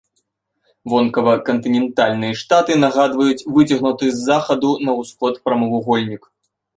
Вонкава кантынентальныя штаты нагадваюць выцягнуты з захаду на ўсход прамавугольнік.